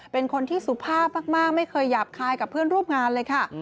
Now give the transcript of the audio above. เป็นคนที่สุภาพมากไม่เคยหยาบคายกับเพื่อนร่วมงานเลยค่ะ